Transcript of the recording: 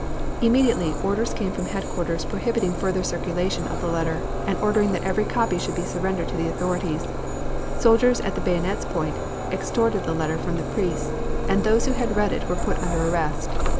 Immediately orders came from headquarters prohibiting further circulation of the letter, and ordering that every copy should be surrendered to the authorities. Soldiers at the bayonet's point extorted the letter from the priests, and those who had read it were put under arrest.